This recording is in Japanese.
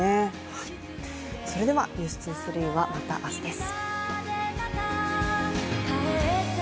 それでは、「ｎｅｗｓ２３」また明日です。